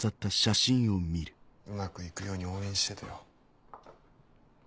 うまくいくように応援しててよ。